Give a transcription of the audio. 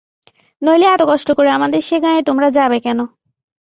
নইলে এত কষ্ট করে আমাদের সে গাঁয়ে তোমরা যাবে কেন?